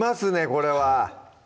これは！